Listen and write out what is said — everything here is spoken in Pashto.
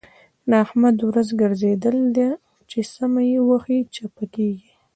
د احمد ورځ ګرځېدل ده؛ چې سمه يې وهي - چپه کېږي.